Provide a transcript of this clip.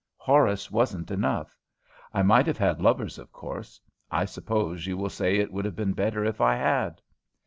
Horace wasn't enough. I might have had lovers, of course. I suppose you will say it would have been better if I had."